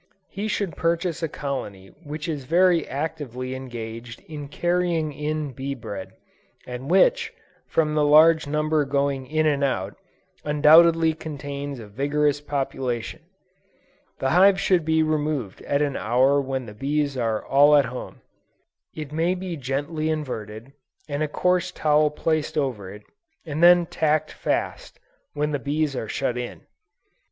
He should purchase a colony which is very actively engaged in carrying in bee bread, and which, from the large number going in and out, undoubtedly contains a vigorous population. The hive should be removed at an hour when the bees are all at home. It may be gently inverted, and a coarse towel placed over it, and then tacked fast, when the bees are shut in.